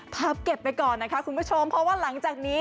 ภาพเก็บไปก่อนนะคะคุณผู้ชมเพราะว่าหลังจากนี้